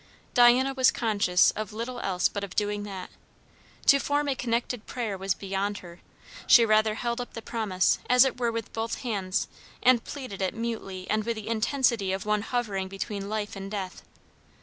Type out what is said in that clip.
Diana was conscious of little else but of doing that; to form a connected prayer was beyond her; she rather held up the promise, as it were with both hands, and pleaded it mutely and with the intensity of one hovering between life and death.